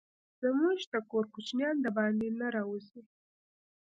زموږ د کور کوچينان دباندي نه راوزي.